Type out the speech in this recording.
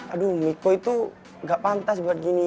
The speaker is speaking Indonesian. aduh miko itu gak pantas buat gini